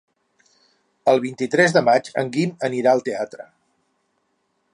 El vint-i-tres de maig en Guim anirà al teatre.